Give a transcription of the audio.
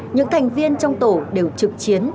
những thành viên trong tổ đều trực chiến